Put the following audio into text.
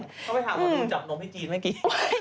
เข้าไปถามหมอดูจับนมพี่จีนเมื่อกี้